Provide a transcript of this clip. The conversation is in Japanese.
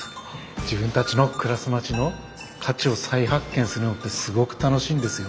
自分たちの暮らす街の価値を再発見するのってすごく楽しいんですよ。